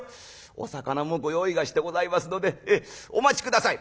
「お肴もご用意がしてございますのでええお待ち下さい。